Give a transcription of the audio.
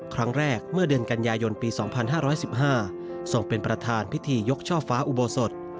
ครั้งแรกเมื่อเดือนกันยายนปี๒๕๑๕ส่งเป็นประธานพิธียกช่อฟ้าอุโบสถ